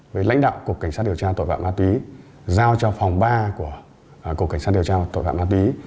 với lãnh đạo cục cảnh sát điều tra tội phạm ma túy giao cho phòng ba của cục cảnh sát điều tra tội phạm ma túy